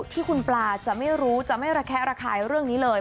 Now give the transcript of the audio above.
ที่คุณปลาจะไม่รู้จะไม่ระแคะระคายเรื่องนี้เลย